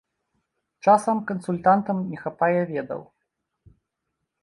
Часам кансультантам не хапае ведаў.